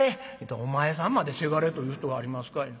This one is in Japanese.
「お前さんまで『せがれ』と言う人がありますかいな。